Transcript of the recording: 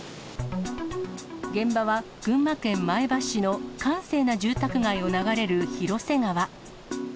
現場は群馬県前橋市の閑静な住宅街を流れる広瀬川。